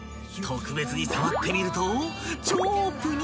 ［特別に触ってみると］